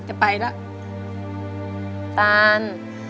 จะไปแล้ว